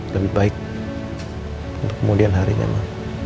lebih baik untuk kemudian harinya ma